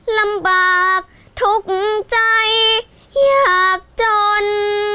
ลำบากทุกข์ใจอยากจน